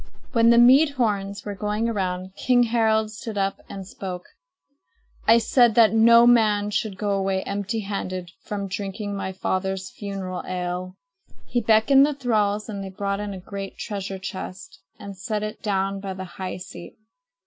When the mead horns were going around, King Harald stood up and spoke: "I said that no man should go away empty handed from drinking my father's funeral ale." He beckoned the thralls, and they brought in a great treasure chest and set it down by the high seat.